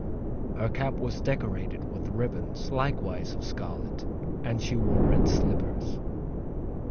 Her cap was decorated with ribands likewise of scarlet, and she wore red slippers.